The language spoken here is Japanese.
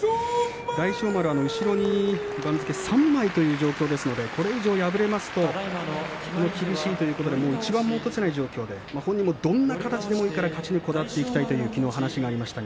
大翔丸、後ろに番付３枚という状況ですのでこれ以上敗れますと厳しいということで一番も落とせない状況で本人もどんな形でもいいから勝ちにこだわっていきたいときのう話がありました。